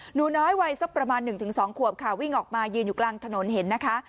หนูน้อยวัยสักประมาณ๑๒ขวบค่ะวิ่งออกมายืนอยู่กลางถนนเห็นนะคะ